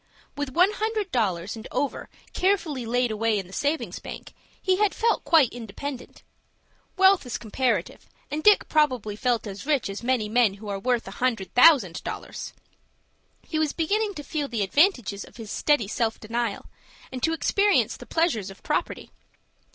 With one hundred dollars and over carefully laid away in the savings bank, he had felt quite independent. Wealth is comparative, and Dick probably felt as rich as many men who are worth a hundred thousand dollars. He was beginning to feel the advantages of his steady self denial, and to experience the pleasures of property.